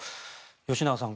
吉永さん